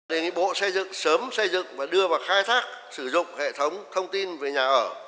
đề nghị bộ xây dựng sớm xây dựng và đưa vào khai thác sử dụng hệ thống thông tin về nhà ở